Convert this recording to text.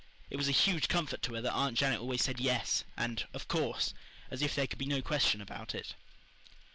It was a huge comfort to her that Aunt Janet always said, "Yes," or "Of course," as if there could be no question about it.